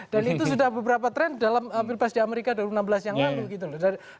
itu sudah beberapa tren dalam pilpres di amerika dua ribu enam belas yang lalu gitu loh